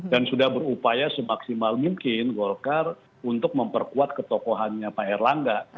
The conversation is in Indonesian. dan sudah berupaya semaksimal mungkin golkar untuk memperkuat ketokohannya pak erlangga